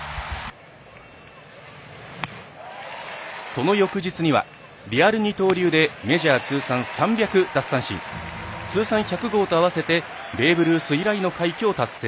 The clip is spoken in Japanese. その翌日にはリアル二刀流でメジャー通算３００奪三振通算１００号と合わせてベーブ・ルース以来の快挙を達成。